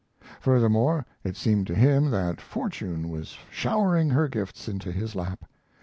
Furthermore, it seemed to him that fortune was showering her gifts into his lap.